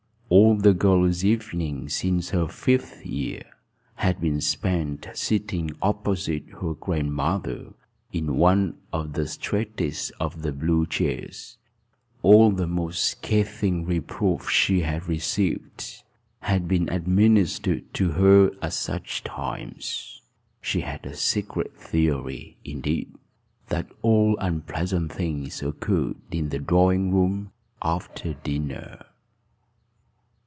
All the girl's evenings, since her fifth year, had been spent sitting opposite her grandmother, in one of the straightest of the blue chairs: all the most scathing reproofs she had received had been administered to her at such times. She had a secret theory, indeed, that all unpleasant things occurred in the drawing room after dinner.